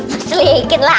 mus likit lah